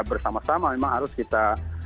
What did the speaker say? bersama sama memang harus kita